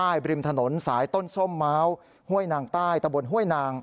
บริมถนนสายต้นส้มม้าวห้วยนางใต้ตะบนห้วยนาง